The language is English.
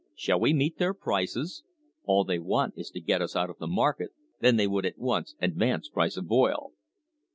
Shall we meet their prices ? All they want is to get us out of the market, then they would at once advance price of oil.